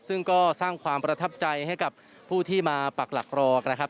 ซึ่งก็สร้างความประทับใจให้กับผู้ที่มาปักหลักรอนะครับ